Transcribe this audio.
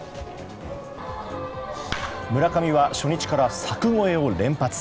村上は初日から柵越えを連発。